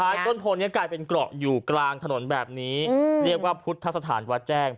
สุดท้ายต้นพลกลายเป็นเกราะอยู่กลางถนนแบบนี้เรียกว่าพุทธศาสถานวาแจ้ง